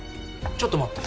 ちょっと待って。